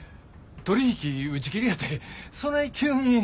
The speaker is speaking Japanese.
取り引き打ち切りやてそない急に。